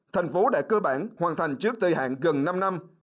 thành phố đã cơ bản hoàn thành trước thời hạn gần năm năm